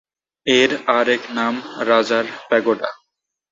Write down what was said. এর আরেক নাম রাজার প্যাগোডা।